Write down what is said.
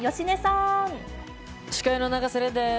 司会の永瀬廉です。